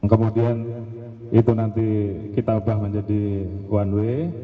kemudian itu nanti kita ubah menjadi one way